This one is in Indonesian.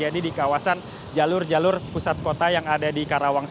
di kawasan pusat kota karawang